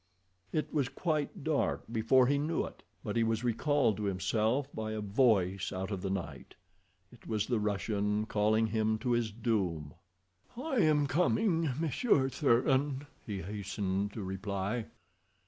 It was quite dark before he knew it, but he was recalled to himself by a voice out of the night. It was the Russian calling him to his doom. "I am coming, Monsieur Thuran," he hastened to reply.